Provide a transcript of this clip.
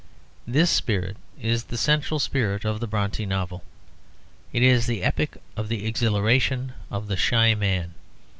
This spirit is the central spirit of the Brontë novel. It is the epic of the exhilaration of the shy man.